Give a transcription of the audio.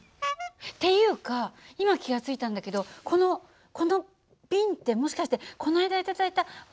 っていうか今気が付いたんだけどこのこの瓶ってもしかしてこの間頂いたワインの瓶なんじゃないの？